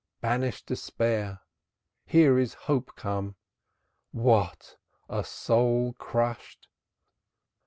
Banish despair! Here is Hope come, What! A soul crushed!